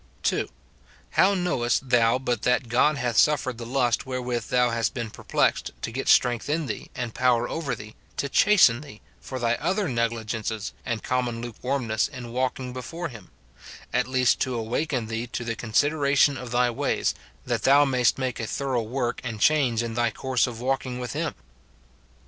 (2.) How knowest thou but that God hath suflered the lust wherewith thou hast been perplexed to get strength in thee, and power over thee, to chasten thee for thy other negligences and common lukewarmness in walking before him ; at least to awaken thee to the consideration of thy ways, that thou mayst make a thorough work and change in thy course of walking with him